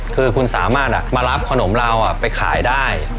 คือคุณสามารถมารับขนมเราไปขายได้